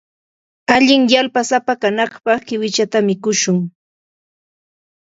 ¿Haykataq lasan kay papa?